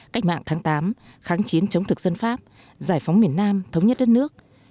cách mạng tháng tám kháng chiến chống thực dân pháp giải phóng miền nam thống nhất đất nước